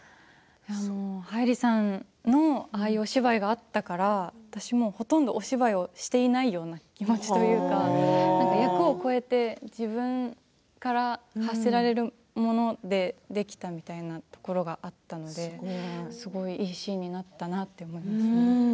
はいりさんのああいうお芝居があったから私もほとんど、お芝居をしていないような気持ちというか役を超えて自分から発せられるものでできたみたいなところがあったのですごいいいシーンになったなと思います。